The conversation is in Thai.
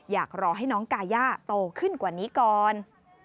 อยากรอให้น้องกาย่าโตขึ้นกว่านี้ก่อน